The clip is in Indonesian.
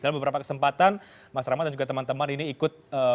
dalam beberapa kesempatan mas rahmat dan juga teman teman ini ikut